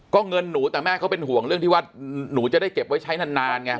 ก็เงินหนูแต่แม่เขาเป็นห่วงเรื่องที่ว่าหนูจะได้เก็บไว้ใช้นานไง